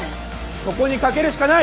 そこにかけるしかない。